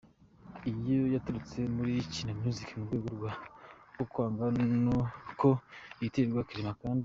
iyo yaturutse muri Kina Music mu rwego rwo kwanga ko yitirirwa Clement kandi.